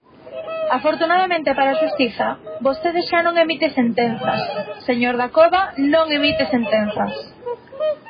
Afortunadamente para a xustiza, vostede xa non emite sentenzas, señor Dacova, non emite sentenzas.